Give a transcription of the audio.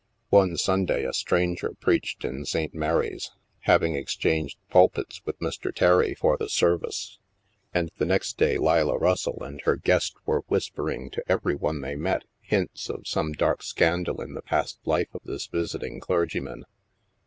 One Sunday a stranger* preached in St. Mary's, having exchanged pulpits with Mr. Terry for the it 64 THE MASK service. And the next day Leila Russell and her guest were whispering to every one they met, hints of some dark scandal in the past life of this visiting clergyman.